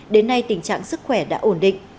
đến nay tình trạng sức khỏe đã ổn định